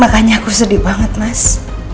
makanya aku sedih banget mas